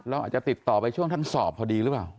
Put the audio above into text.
เราอาจจะติดต่อไปช่วงท่านสอบพอดีหรือเปล่า